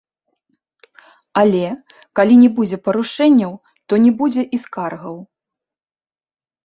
Але калі не будзе парушэнняў, то не будзе і скаргаў.